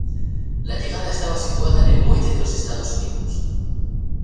La llegada estaba situada en el Muelle de los Estados Unidos.